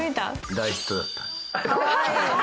大ヒットだった。